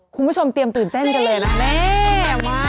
คุณผู้ชมเตรียมตื่นเต้นกันเลยนะแม่